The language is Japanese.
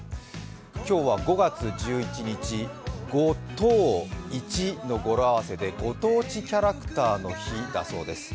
今日は５月１１日ご当地の語呂合わせでご当地キャラクターの日だそうです。